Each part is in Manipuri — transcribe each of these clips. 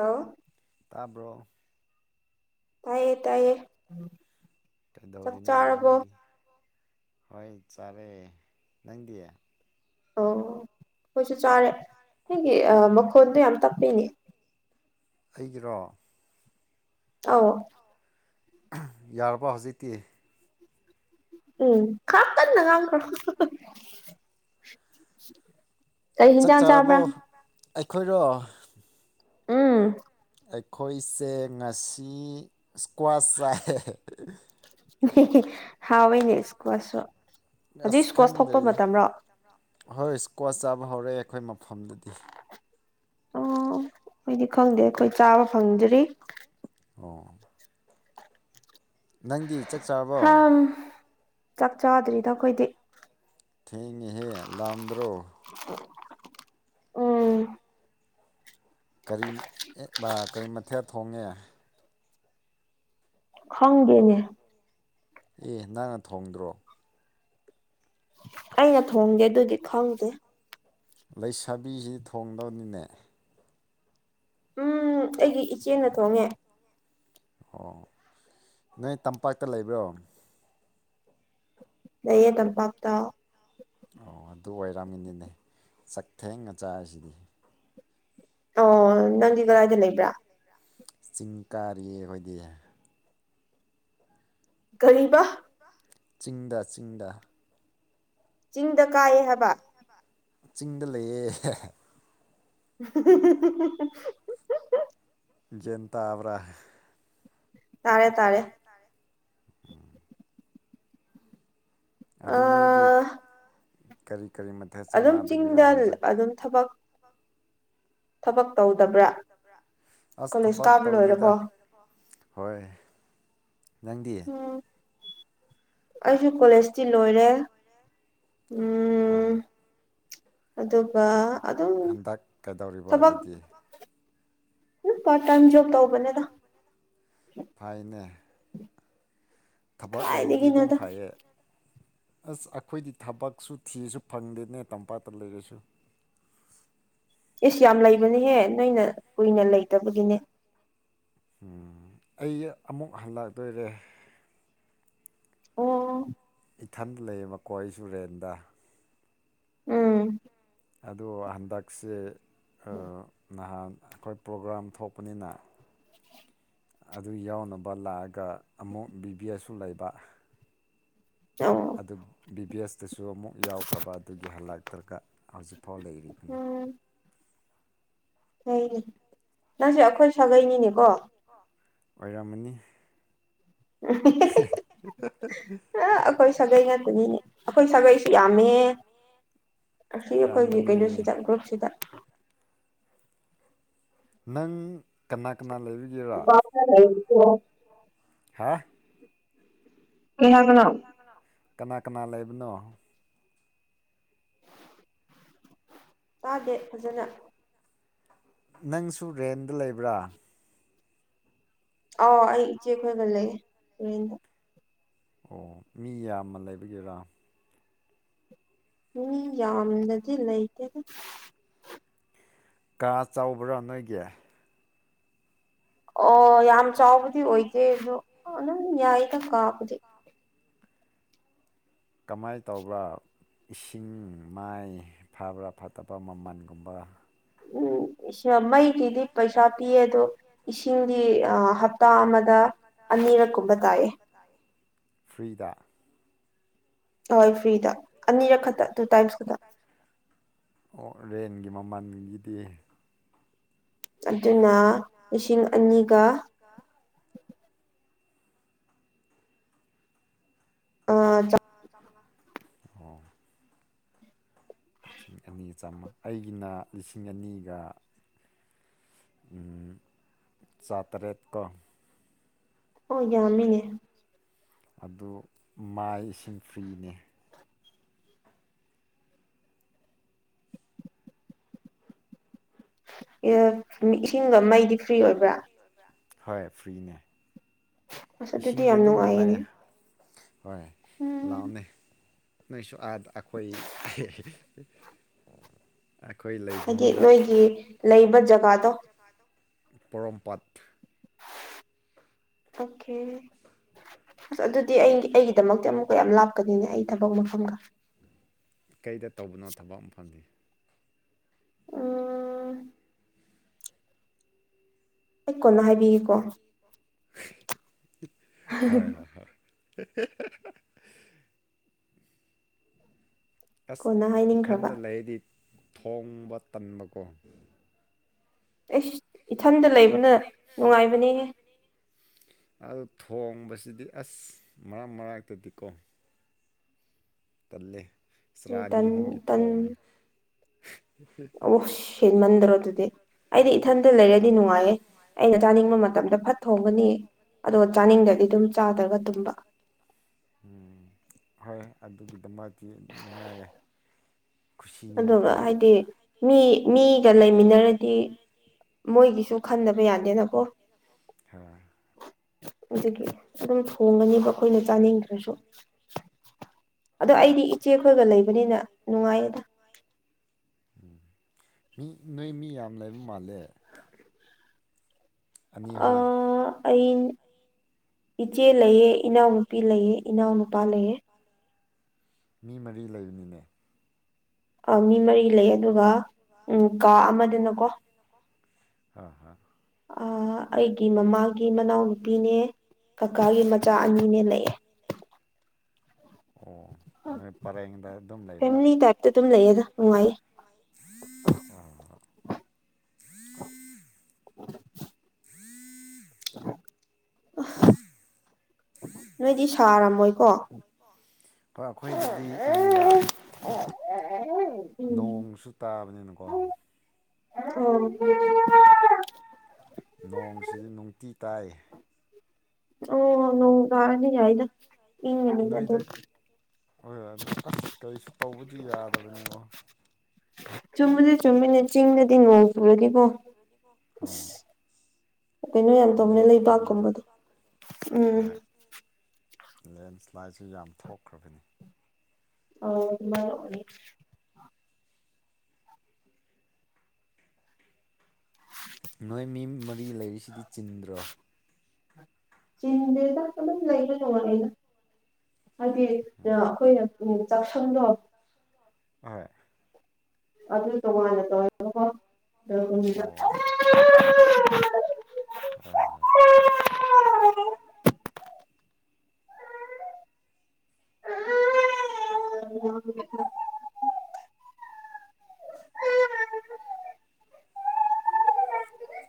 ꯑꯥꯎ ꯇꯥꯔꯕꯣ ꯇꯥꯏꯌꯦ ꯇꯥꯏꯌꯦ ꯇꯗꯧꯔꯤꯅꯣ ꯑꯅꯪꯒꯤ ꯍꯣꯏ ꯆꯥꯔꯦ ꯅꯗꯤꯌꯥ ꯑꯣ ꯑꯩꯣꯏꯁꯨ ꯆꯥꯔꯦ ꯑꯩꯒꯤ ꯃꯈꯣꯟꯗꯣ ꯌꯥꯝ ꯇꯞꯄꯤꯅꯦ ꯑꯩꯒꯤꯔꯣ ꯑ ꯌꯥꯔꯕ ꯍꯧꯖꯤꯛꯇꯤ ꯎꯝ ꯀꯝ ꯀꯅ ꯀꯝ ꯆꯠ ꯆꯥꯔꯕꯣ ꯑꯩꯈꯣꯏꯗꯣ ꯎꯝ ꯑꯩꯈꯣꯏꯁꯦ ꯉꯁꯤ ꯏꯁꯀ꯭ꯋꯥꯁ ꯆꯥꯏ ꯍꯥꯎꯦꯅꯦ ꯏꯁꯀꯨꯁꯨꯣ ꯑꯁ ꯈꯪꯗ ꯍꯣꯏ ꯏꯁꯀꯣꯆ ꯐꯕ ꯍꯧꯔꯛꯑꯦ ꯑꯩꯈꯣꯏ ꯃꯐꯝꯗꯗꯤ ꯑꯣ ꯑꯩꯗꯤ ꯈꯪꯗꯦ ꯑꯩꯈꯣꯏ ꯆꯥꯕ ꯐꯪꯗ꯭ꯔꯤ ꯍꯣꯡꯝꯕ ꯅꯪꯗꯤ ꯆꯞ ꯆꯥꯔꯕꯣ ꯆꯥꯛ ꯆꯥꯗ꯭ꯔꯤꯗ ꯑꯩꯈꯣꯏꯗꯤ ꯊꯦꯡꯉꯤꯍꯦ ꯂꯥꯝꯗ꯭ꯔꯣ ꯎꯝ ꯀꯔꯤ ꯀꯔꯤ ꯃꯊꯦꯜ ꯊꯣꯡꯉꯦ ꯍꯪꯦꯅꯦ ꯑꯦ ꯅꯪꯅ ꯊꯣꯡꯗ꯭ꯔꯣ ꯑꯩꯅ ꯊꯣꯡꯗꯦ ꯑꯗꯨꯗꯤ ꯈꯪꯗꯦ ꯂꯩꯁꯥꯕꯤꯁꯤ ꯊꯣꯡꯗꯕꯅꯤꯅꯦ ꯎꯝ ꯑꯩꯒꯤ ꯏꯆꯦꯅ ꯊꯣꯡꯉꯦ ꯑꯣ ꯅꯣꯏ ꯇꯝꯄꯥꯛꯇ ꯂꯩꯕ꯭ꯔꯣ ꯂꯩꯦ ꯇꯝ ꯄꯥꯇꯥ ꯑꯣ ꯑꯗꯨ ꯑꯣꯏꯔꯝꯃꯤꯅꯤꯅꯦ ꯆꯥꯛꯊꯦꯡꯅ ꯆꯁꯤꯗꯤ ꯑꯣ ꯅꯪꯗꯤ ꯀꯗꯥꯏꯗ ꯂꯩꯕ꯭ꯔꯥ ꯆꯤꯡ ꯀꯥꯔꯤꯌꯦ ꯑꯩꯈꯣꯏꯗꯤ ꯔꯤꯕ ꯆꯤꯡꯗ ꯆꯤꯡꯗ ꯆꯤꯡꯗ ꯀꯥꯏꯌꯦ ꯍꯥꯏꯕ ꯆꯤꯡꯗ ꯂꯩꯌꯦ [inaudible] ꯟꯇꯥ ꯑꯔ ꯇꯥꯔꯦ ꯇꯥꯔꯦ ꯑꯗꯨ ꯅꯣꯏꯗꯤ ꯀꯔꯤ ꯑꯗꯨꯝ ꯆꯤꯡꯗ ꯑꯗꯨꯝ ꯊꯕꯛ ꯊꯕꯛ ꯇꯧꯗꯕ꯭ꯔꯥ ꯀꯣꯂꯦꯖ ꯀꯥꯕ ꯂꯣꯏꯔꯕꯣ ꯍꯣꯏ ꯅꯪꯗꯤ ꯑꯩꯁꯨ ꯀꯣꯂꯦꯖꯇꯤ ꯂꯣꯏꯔꯦ ꯑꯣ ꯑꯗꯨꯒ ꯍꯟꯗꯛ ꯀꯩꯗꯧꯔꯤꯕ ꯑꯗꯨꯗꯤ ꯎ ꯄꯥꯔꯠ ꯇꯥꯏꯝ ꯖꯣꯕ ꯇꯧꯧꯕꯅꯦꯗ ꯐꯥꯏꯅꯦ ꯊꯕꯛ ꯂꯩꯔꯤꯗꯤ ꯑꯗꯨꯝ ꯐꯩꯌꯦ ꯑꯁ ꯑꯩꯈꯣꯏꯗꯤ ꯊꯕꯛꯁꯨ ꯊꯤꯁꯨ ꯐꯪꯗꯦꯅꯦ ꯇꯝꯄꯥꯛꯇ ꯂꯩꯔꯁꯨ ꯏꯁꯁ ꯌꯥꯝ ꯂꯩꯕꯅꯦꯍꯦ ꯅꯣꯏꯅ ꯀꯨꯏꯅ ꯂꯩꯇꯕꯒꯤꯅꯦ ꯎ ꯑꯩ ꯑꯃꯨꯛ ꯍꯜꯂꯇꯣꯏꯔꯦ ꯑꯣ ꯏꯟꯊꯟ ꯂꯩꯌꯦ ꯃꯈꯀꯣꯏ ꯑꯩ ꯁꯨꯔꯦꯟꯗ ꯎꯝ ꯑꯗꯣ ꯍꯟꯗꯛꯁꯦ ꯅꯍꯥꯟ ꯑꯩꯈꯣꯏ ꯄ꯭ꯔꯣꯒ꯭ꯔꯥꯝ ꯊꯣꯛꯄꯅꯤꯅ ꯑꯗꯨ ꯌꯥꯎꯅꯕ ꯂꯥꯛꯑꯒ ꯑꯃꯨꯛ ꯕꯤ ꯕꯤ ꯑꯦꯁꯁꯨ ꯂꯩꯕ ꯆꯥꯎꯣ ꯕꯤ ꯕꯤ ꯑꯦꯁꯇꯁꯨ ꯑꯃꯨꯛ ꯌꯥꯎꯈ꯭ꯔꯕ ꯑꯗꯨꯒꯤ ꯍꯜꯂꯛꯇ꯭ꯔꯒ ꯍꯧꯖꯤꯛꯐꯥꯎ ꯂꯩꯔꯤꯕ ꯎꯝ ꯎꯝ ꯅꯁꯨ ꯑꯈꯣꯏ ꯑꯣꯏꯔꯝꯃꯅꯤ [inaudible] ꯑ ꯑꯩꯈꯣꯏ ꯁꯥꯒꯩ ꯉꯥꯛꯇꯅꯤꯅꯦ ꯑꯩꯈꯣꯏ ꯁꯥꯒꯩꯁꯨ ꯌꯥꯝꯃꯦ ꯑꯁꯤ ꯑꯩꯈꯣꯏꯒꯤ ꯀꯩꯅꯣꯁꯤꯗ ꯒ꯭ꯔꯨꯞꯁꯤꯗ ꯅꯪ ꯀꯅꯥ ꯄ ꯂꯩꯣ ꯍꯥꯥ ꯀꯒꯅꯥꯣ ꯀꯅꯥ ꯀꯅꯥ ꯂꯩꯕꯅꯣ ꯆꯥꯗꯦ ꯐꯖꯅ ꯅꯪꯁꯨ ꯔꯦꯟꯗ ꯂꯩꯕ꯭ꯔꯥ ꯑꯥꯎ ꯑꯩ ꯏꯆꯦ ꯈꯣꯏꯒ ꯂꯩ ꯇꯨꯔꯦꯟꯗ ꯑꯣ ꯃꯤ ꯌꯥꯝꯅ ꯂꯩꯕꯒꯤꯦꯔꯥ ꯎꯝ ꯌꯥꯝꯅꯗꯤ ꯂꯩꯇꯦꯗ ꯀꯥ ꯆꯥꯎꯕ꯭ꯔꯥ ꯅꯣꯏꯒꯤ ꯑꯣ ꯌꯥꯝ ꯆꯥꯎꯕꯗꯤ ꯑꯣꯏꯗꯦ ꯑꯗꯣ ꯑꯗꯨꯝ ꯌꯥꯏꯗꯪ ꯀꯥꯕꯨꯗꯤ ꯀꯃꯥꯏꯅ ꯇꯧꯕ ꯏꯁꯤꯡ ꯃꯥꯏ ꯐꯕ꯭ꯔꯥ ꯐꯠꯇꯕ ꯃꯃꯟꯒꯨꯝꯕ ꯎꯝ ꯃꯩꯒꯤꯗꯤ ꯄꯩꯁꯥ ꯄꯤꯌꯦ ꯑꯗꯣ ꯏꯁꯤꯡꯗꯤꯞ ꯇꯥ ꯑꯃꯗ ꯑꯅꯤꯔꯛ ꯀꯨꯝꯕ ꯇꯥꯏꯑꯦ ꯐ꯭ꯔꯤꯗ ꯑꯣꯏ ꯐ꯭ꯔꯤꯗ ꯑꯅꯤꯔꯛ ꯈꯛꯇ ꯇꯨ ꯇꯥꯏꯝꯁ ꯈꯛꯇ ꯑꯣ ꯔꯦꯟꯒꯤ ꯃꯃꯜꯒꯤꯗꯤ ꯑꯗꯨꯅ ꯂꯤꯁꯤꯡ ꯑꯅꯤꯒ ꯑ ꯑꯣ ꯂꯤꯁꯤꯡ ꯑꯅꯤꯒ ꯆꯥꯝꯃꯥ ꯑꯩꯒꯤꯅ ꯂꯤꯁꯤꯡ ꯑꯅꯤꯒ ꯆꯇꯔꯦꯠ ꯀ ꯍꯣꯏ ꯌꯥꯝꯃꯤꯅꯦ ꯑꯗꯨ ꯃꯥꯏ ꯏꯁꯤꯡ ꯐ꯭ꯔꯤꯅꯦ ꯏꯁꯤꯡꯒ ꯃꯩꯗꯤ ꯐ꯭ꯔꯤ ꯑꯣꯏꯕ꯭ꯔꯥ ꯍꯣꯏ ꯐ꯭ꯔꯤꯅꯦ ꯑꯁ ꯑꯗꯨꯗꯤ ꯌꯥꯝ ꯅꯨꯡꯉꯥꯏꯌꯦꯅꯦ ꯍꯣꯏ ꯂꯥꯛꯑꯣꯅꯦ ꯅꯪꯁꯨ ꯑꯥꯗ ꯑꯩꯈꯣꯏ ꯍꯥꯏꯗꯤ ꯅꯣꯏꯒꯤ ꯂꯩꯕ ꯖꯒꯥꯗꯣ ꯄꯣꯔꯣꯝꯄꯥꯠ ꯑꯣꯀꯦ ꯑꯁ ꯑꯗꯨꯗꯤ ꯑꯩ ꯑꯩꯒꯤꯗꯃꯛꯇꯤ ꯑꯃꯨꯛꯀ ꯌꯥꯝ ꯂꯥꯞꯀꯅꯤꯅꯦ ꯑꯩ ꯊꯕꯛ ꯃꯐꯝꯒ ꯀꯩꯗ ꯇꯧꯕꯅꯣ ꯊꯕꯛ ꯑꯃ ꯐꯪꯗ ꯎꯝ ꯑꯩ ꯀꯣꯟꯅ ꯍꯥꯏꯕꯤꯒꯦꯀꯣ ꯍꯣꯏ ꯍꯣꯏ ꯍ ꯑꯁ ꯏꯊꯟꯗ ꯂꯩꯔꯗꯤ ꯊꯣꯡꯕ ꯇꯟꯕꯀꯣ ꯑꯩꯁ ꯏꯊꯟꯗ ꯂꯩꯕꯅ ꯅꯨꯡꯉꯥꯏꯕꯅꯦ ꯑꯗꯨ ꯊꯣꯡꯕꯁꯤꯗꯤ ꯑꯁ ꯃꯔꯛ ꯃꯔꯛꯇꯗꯤꯀꯣ ꯀꯜꯂꯦ ꯇꯟ ꯇꯟ ꯑꯣ ꯁꯦꯟꯃꯟꯗ꯭ꯔꯣ ꯑꯗꯨꯗꯤ ꯑꯩꯗꯤ ꯏꯊꯟꯇ ꯂꯩꯔꯗꯤ ꯅꯨꯡꯉꯥꯏꯌꯦꯦ ꯑꯩꯅ ꯆꯥꯅꯤꯡꯕ ꯃꯇꯝꯗ ꯐꯠ ꯊꯣꯡꯒꯅꯤ ꯑꯗꯣ ꯆꯥꯅꯤꯡꯗꯗꯤ ꯑꯗꯨꯝ ꯆꯥꯗ꯭ꯔꯒ ꯇꯨꯝꯕ ꯎꯝ ꯍꯣꯏ ꯑꯗꯨꯒꯤꯗꯃꯛꯇ ꯅꯨꯡꯉꯥꯏꯌꯦ ꯑꯗꯨꯒ ꯍꯥꯏꯗꯤ ꯃꯤ ꯃꯤꯒ ꯂꯩꯃꯤꯟꯅꯔꯗꯤ ꯃꯣꯏꯒꯤꯁꯨ ꯈꯟꯗꯕ ꯌꯥꯗꯦꯅ ꯑ [unintelligible] [inaudible] ꯑꯗꯨꯗꯒꯤ ꯑꯗꯨꯝ ꯊꯣꯡꯉꯅꯦꯕ ꯑꯩꯈꯣꯏꯅ ꯆꯥꯅꯤꯡꯗ꯭ꯔꯁꯨ ꯑꯗꯣ ꯑꯩꯗꯤ ꯏꯆꯦ ꯈꯣꯏꯒ ꯂꯩꯕꯅꯤꯅ ꯅꯨꯡꯉꯥꯏꯌꯦꯗ ꯃꯤ ꯅꯣꯏ ꯃꯤ ꯌꯥꯝ ꯂꯩꯕ ꯃꯥꯜꯂꯦ ꯑꯅꯤ ꯑꯍꯨꯝ ꯑꯩ ꯏꯆꯦ ꯂꯩꯑ ꯏꯅꯥꯎꯅꯨꯄꯤ ꯂꯩꯑ ꯏꯅꯥꯎꯅꯨꯄꯥ ꯂꯩꯑꯦ ꯃꯤ ꯃꯔꯤ ꯂꯩꯕꯅꯤꯅꯦ ꯃꯤ ꯃꯔꯤ ꯂꯩ ꯑꯗꯨꯒ ꯀꯥ ꯑꯃꯗꯨꯅꯀꯣ ꯑ ꯍ ꯑꯩꯒꯤ ꯃꯃꯥꯒꯤ ꯃꯅꯥꯎꯅꯨꯄꯤꯅꯦ ꯀꯀꯥꯒꯤ ꯃꯆꯥ ꯑꯅꯤꯅꯦ ꯂꯩꯑꯦ ꯐꯦꯃꯤꯂꯤ ꯇꯥꯏꯞꯇ ꯑꯗꯨꯝ ꯂꯩꯌꯦꯗ ꯅꯨꯡꯉꯥꯏꯌꯦ ꯑ [inaudible] [unintelligible] [unintelligible] [inaudible] ꯅꯣꯏꯗꯤ ꯁꯥꯔꯝꯃꯣꯏꯀꯣ ꯅꯣꯡꯁꯨ ꯇꯥꯕꯅꯤꯅꯀꯣ ꯑꯣ ꯅꯣꯡꯁꯤꯗꯤ ꯅꯨꯡꯇꯤ ꯇꯥꯏ ꯑꯣ ꯅꯣꯡ ꯀꯥꯔꯅꯤ ꯆꯗ ꯏꯅꯤ ꯀꯗ ꯍꯣꯏ ꯍꯣꯏ ꯑꯗꯨ ꯑꯁ ꯀꯔꯤꯁꯨ ꯇꯧꯕꯗꯤ ꯌꯥꯗꯕꯅꯤꯀꯣ ꯆꯨꯝꯃꯗꯤ ꯆꯨꯝꯃꯤꯅꯦ ꯆꯤꯡꯗꯗꯤ ꯅꯣꯡ ꯆꯨꯔꯗꯤꯕꯣ ꯍꯣꯏ ꯀꯩꯅꯣ ꯌꯥꯝ ꯇꯣꯅꯦ ꯂꯩꯕꯥꯛꯀꯨꯝꯕꯗꯣ ꯎꯝ ꯂꯦꯟꯁ꯭ꯂꯥꯏꯠꯁꯨ ꯌꯥꯝ ꯊꯣꯛꯈ꯭ꯔꯕꯅꯤ ꯑꯣ ꯅꯣꯏ ꯃꯤ ꯃꯔꯤ ꯂꯩꯔꯤꯁꯤꯗꯤ ꯆꯤꯟꯗ꯭ꯔꯣ ꯆꯤꯟꯗꯗ ꯀ ꯂꯩ ꯂꯦꯅ ꯍꯥꯏꯗꯤ ꯑꯩꯈꯣꯏꯅ ꯆꯥꯛꯁꯪꯗꯣ ꯑꯣꯏ ꯑꯗꯨ ꯇꯉꯅ ꯇ ꯑ ꯎ [unintelligible]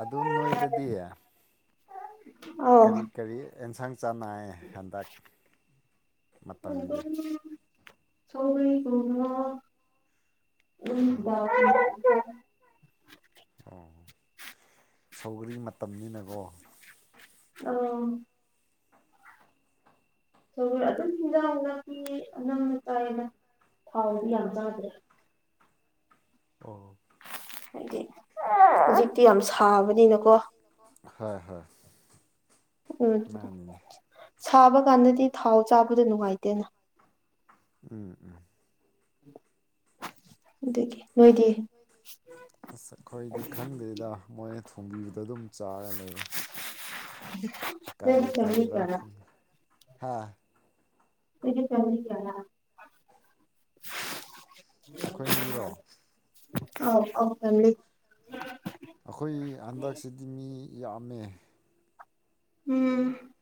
ꯑꯗꯨ ꯅꯣꯏꯗꯗꯤ ꯀꯔꯤ ꯀꯔꯤ ꯑꯦꯟꯁꯥꯡ ꯆꯥꯟꯅꯥꯏ ꯍꯟꯗꯛ ꯃꯇꯝꯒꯤ ꯁ ꯎ ꯎꯝ ꯑꯣ ꯁꯧꯒꯔꯤ ꯃꯇꯝꯅꯤꯅꯀꯣ ꯑꯣ ꯁꯒ ꯑꯗꯨꯝ ꯍꯤꯟꯖꯥꯛ ꯍꯖꯥꯛꯀꯤ ꯅꯅꯝꯅ ꯀꯥꯏꯅ ꯍꯥꯎꯕꯤ ꯌꯥꯝꯖꯗꯦ ꯑꯣ ꯍꯥꯏꯗꯤ ꯍꯧꯖꯤꯛꯇꯤ ꯌꯥꯝ ꯁꯥꯕꯅꯤꯅꯀꯣ ꯍꯣꯏ ꯍꯣꯏ ꯎꯝ ꯁꯥꯕ ꯀꯥꯟꯗꯗꯤ ꯊꯥꯎ ꯆꯥꯕꯗ ꯅꯨꯡꯉꯥꯏꯇꯦꯅ ꯎꯝ ꯎꯝ ꯗꯒꯤꯗꯒꯤꯦ ꯑꯁ ꯑꯩꯈꯣꯏꯗꯤ ꯈꯪꯗꯦꯗ ꯃꯣꯏ ꯊꯣꯡꯕꯤꯕꯗ ꯑꯗꯨꯝ ꯆꯥꯔ ꯂꯩꯔꯦ ꯑꯗꯨ ꯀꯔꯤ ꯀꯔꯤ ꯔꯈꯅꯤ ꯍꯥ ꯁꯤ ꯆ ꯀ ꯑꯩꯈꯣꯏ ꯃꯤꯔꯣ ꯑꯥꯎ ꯑꯥꯎ ꯊꯗꯤ ꯑꯩꯈꯣꯏ ꯍꯟꯗꯛꯁꯤꯗꯤ ꯃꯤ ꯌꯥꯝꯃꯦ ꯎꯝ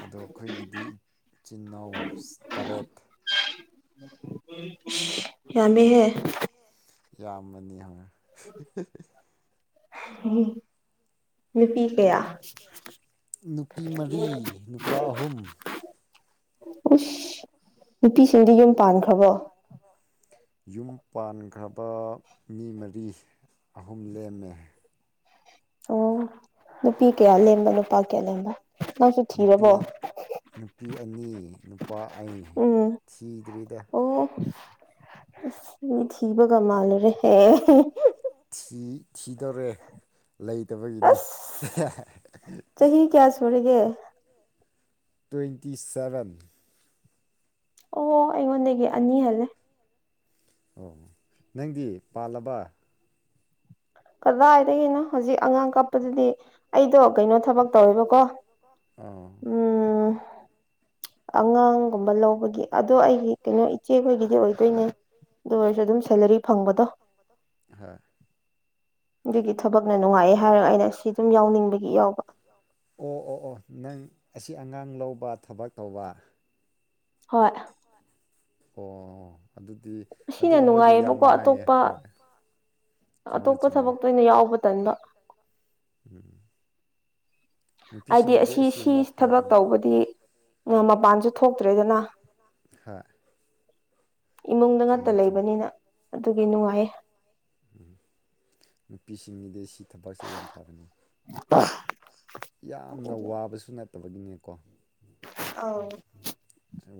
ꯑꯗꯣ ꯑꯩꯈꯣꯏꯒꯤꯗꯤꯆꯤꯜ ꯏꯅꯥꯎ ꯇꯔꯦꯠ ꯌꯥꯝꯃꯤꯍꯦ ꯌꯥꯝꯕꯅꯤ ꯍ ꯍꯝ ꯅꯨꯄꯤ ꯀꯌꯥ ꯎꯁ ꯅꯨꯄꯤꯁꯤꯡꯗꯤ ꯌꯨꯝ ꯄꯥꯟꯈ꯭ꯔꯕꯣ ꯌꯨꯝ ꯄꯥꯟꯈ꯭ꯔꯕ ꯃꯤ ꯃꯔꯤ ꯑꯍꯨꯝ ꯂꯦꯝꯃꯦ ꯎ ꯅꯨꯄꯤ ꯀꯌꯥ ꯂꯦꯝꯕ ꯅꯨꯄꯥ ꯀꯌꯥ ꯂꯦꯝꯕ ꯅꯪꯁꯨ ꯊꯤꯔꯕꯣ ꯅꯨꯄꯤ ꯑꯅꯤ ꯅꯨꯄꯥ ꯑꯩ ꯊꯤꯗ꯭ꯔꯤꯗ ꯃꯤ ꯊꯤꯕꯒ ꯃꯥꯜꯂꯨꯔꯦ ꯊꯤ ꯊꯤꯗꯧꯔꯦ ꯂꯩꯇꯕꯒꯤꯅꯤ ꯇ꯭ꯋꯦꯟꯇꯤ ꯁꯚꯦꯟ ꯑꯣ ꯑꯩꯉꯣꯟꯗꯒꯤ ꯑꯅꯤ ꯍꯜꯂꯦ ꯑꯣ ꯅꯪꯗꯤ ꯄꯥꯜꯂꯕ ꯀꯗꯥꯏꯗꯒꯤꯅꯣ ꯍꯧꯖꯤꯛ ꯑꯉꯥꯡ ꯀꯞꯄꯗꯗꯤ ꯑꯩꯗꯣ ꯀꯩꯅꯣ ꯊꯕꯛ ꯇꯧꯔꯤꯕꯀꯣ ꯎ ꯑꯉꯥꯡꯒꯨꯝꯕ ꯂꯧꯕꯒꯤ ꯑꯗꯣ ꯑꯩꯒꯤ ꯀꯩꯅꯣ ꯏꯆꯦꯈꯣꯏꯒꯤꯗꯤ ꯑꯣꯏꯗꯣꯏꯅꯦ ꯑꯗꯨ ꯑꯣꯏꯔꯁꯨ ꯑꯗꯨꯝ ꯁꯦꯂꯔꯤ ꯐꯪꯕꯗꯣ ꯍꯣꯏ ꯒꯤꯗ ꯊꯕꯛꯅ ꯅꯨꯡꯉꯥꯏꯑꯦ ꯍꯥꯏꯔꯒ ꯑꯩꯅ ꯁꯤ ꯑꯗꯨꯝ ꯌꯥꯎꯅꯤꯡꯕꯒꯤ ꯌꯥꯎꯕ ꯑꯁꯤ ꯑꯉꯥꯡ ꯂꯧꯕ ꯊꯕꯛ ꯇꯧꯕ ꯍꯣꯏ ꯑꯣ ꯑꯗꯨꯗꯤ ꯑꯗꯨꯒꯨꯝꯕꯗꯤ ꯌꯥꯝ ꯅꯨꯡꯉꯥꯏꯌꯦ ꯍꯣꯏ ꯑꯇꯣꯞꯄ ꯊꯕꯛꯇ ꯑꯣꯏꯅ ꯌꯥꯎꯕꯇꯟꯕ ꯎꯝ ꯍꯥꯏꯗꯤ ꯑꯁꯤ ꯁꯤ ꯊꯕꯛ ꯇꯧꯕꯗꯤ ꯎ ꯃꯄꯥꯟꯁꯨ ꯊꯣꯛꯇ꯭ꯔꯦꯗꯅ ꯍꯥ ꯏꯃꯨꯡꯗ ꯉꯇ ꯂꯩꯕꯅꯤꯅ ꯑꯗꯨꯒꯤ ꯅꯨꯡꯉꯥꯏꯌꯦ ꯎ ꯅꯨꯄꯤꯁꯤꯡꯒꯤꯗꯤ ꯁꯤ ꯊꯕꯛꯁꯦ ꯌꯥꯝ ꯐꯕꯅꯤ ꯌꯥꯝꯅ ꯋꯥꯕꯁꯨ ꯅ ꯐꯠꯇꯕꯒꯤꯅꯦꯀꯣ ꯑꯥꯎ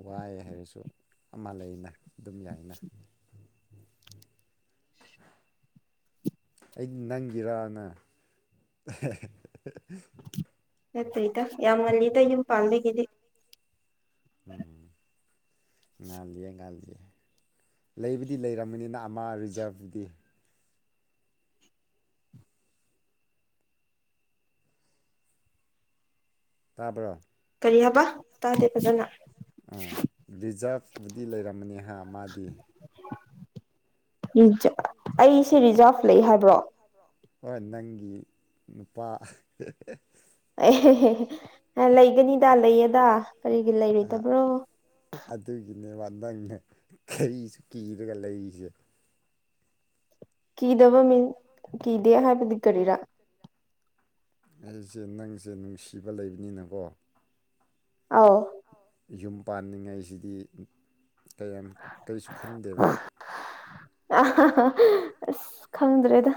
ꯋꯥꯏ ꯍꯥꯏꯔꯁꯨ ꯑꯃ ꯂꯩꯅ ꯑꯗꯨꯝ ꯌꯥꯏꯅ ꯑꯩ ꯅꯪꯒꯤꯔꯥꯅ ꯅꯠꯇ ꯏꯗ ꯌꯥꯝ ꯉꯜꯂꯤꯗ ꯌꯨꯝ ꯄꯥꯝꯕꯤꯒꯤꯗꯤ ꯎꯝ ꯉꯦ ꯂꯩꯕꯨꯗꯤ ꯂꯩꯔꯝꯝꯕꯅꯤꯅ ꯑꯃ ꯔꯤꯖꯥꯔꯕꯇꯨꯗꯤ ꯇꯥꯕ꯭ꯔꯣ ꯀꯔꯤ ꯍꯥꯏꯕ ꯇꯥꯗꯦ ꯐꯖꯅ ꯑ ꯔꯤꯖꯥꯞꯕꯨꯗꯤ ꯂꯩꯔꯝꯃꯅꯤ ꯍꯥ ꯃꯥꯗꯤ ꯑꯩꯁꯦ ꯔꯤꯖꯥꯞ ꯂꯩ ꯍꯥꯏꯕ꯭ꯔꯣ ꯍꯣꯏ ꯅꯪꯒꯤ ꯅꯨꯄꯥ ꯁꯤꯗꯥ ꯂꯩꯌꯦꯗ ꯀꯔꯤꯒꯤ ꯂꯩꯔꯣꯏꯗꯕ꯭ꯔꯣ ꯗ ꯀꯩꯁꯨꯀꯤꯠꯒ ꯂꯩꯁꯤ ꯀꯤꯗꯕ ꯃꯤꯟ ꯀꯤꯗꯦ ꯍꯥꯏꯕꯗꯤ ꯀꯔꯤꯔꯥ ꯑꯩꯁꯦ ꯅꯪꯁꯦ ꯅꯨꯡꯁꯤꯕ ꯂꯩꯕꯅꯤꯅꯀꯣ ꯑ ꯌꯨꯝ ꯄꯥꯟꯅꯤꯡꯉꯥꯏꯁꯤꯗꯤ ꯀꯌꯥꯝ ꯀꯔꯤꯁꯨ ꯈꯟꯗꯦꯕ ꯑ ꯑꯁ ꯈꯪꯗ꯭ꯔꯦꯗ